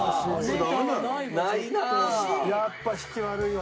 やっぱ引き悪いわ。